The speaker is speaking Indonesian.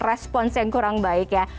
respons yang kurang baik ya